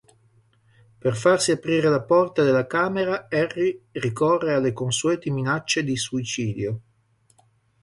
Per farsi aprire la porta della camera Harry ricorre alle consuete minacce di suicidio.